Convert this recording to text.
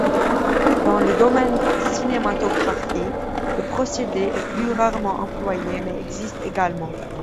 Dans le domaine cinématographique, le procédé est plus rarement employé mais existe également.